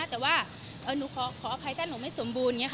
แต่ว่าหนูขออภัยแต่หนูไม่สมบูรณ์อย่างนี้ค่ะ